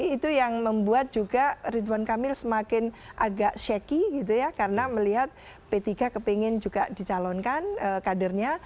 itu yang membuat juga ridwan kamil semakin agak shaki gitu ya karena melihat p tiga kepingin juga dicalonkan kadernya